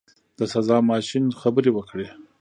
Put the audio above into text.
د سزا ماشین خبرې وکړې.